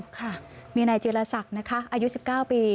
ค่ะมีในเจรสักนะคะอายุสิบเก้าปี